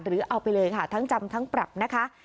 เอาไปเลยค่ะทั้งจำทั้งปรับนะคะ